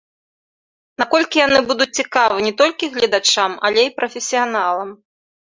Наколькі яны будуць цікавы не толькі гледачам, але і прафесіяналам?